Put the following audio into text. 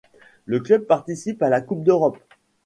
Le club participe à la Coupe d'Europe.